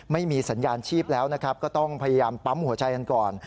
ไม่มีสัญญาณชีพแล้วนะครับก็ต้องพยายามปั๊มหัวใจกันก่อน